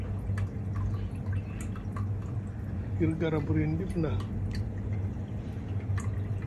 Gir gara burini ɗif na.